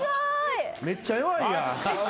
めっちゃ弱いやん。